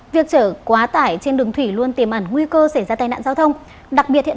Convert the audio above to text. việc chở quá tải trên đường thủy luôn tiềm ẩn nguy cơ xảy ra tai nạn giao thông đặc biệt hiện